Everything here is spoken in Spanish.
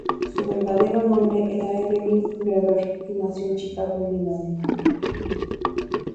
Su verdadero nombre era Evelyn Lederer, y nació en Chicago, Illinois.